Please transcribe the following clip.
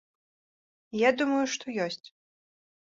Я думаю, што ёсць.